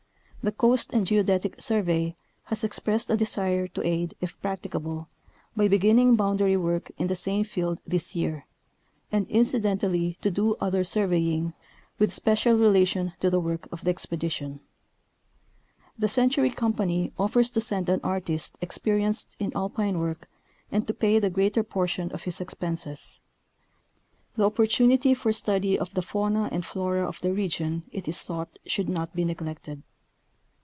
The Coast and Geodetic Surve}^ has expressed a desire to aid, if practicable, by beginning boundary work in the same field this year, and inci dentally to do other surveying with special relation to the work of the expedition. The Century Company off'ers to send an artist ' experienced in Alpine work and to pay the greater por tion of his expenses. The opportunity for study of the fauna and flora of the region it is thought should not be neglected.